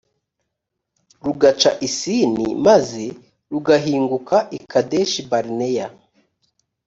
rugaca i sini, maze rugahinguka i kadeshi-barineya.